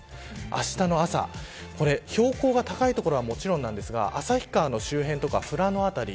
あしたの朝、標高が高い所もちろんなんですが旭川の周辺とか富良野辺り